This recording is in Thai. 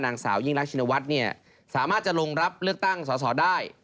นางสาวยิ่งรักชินวัฒน์เนี่ยสามารถจะลงรับเลือกตั้งสอสอได้